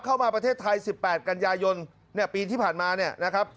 เข้ามาประเทศไทย๑๘กันยายนเนี่ยปีที่ผ่านมาเนี่ยนะครับ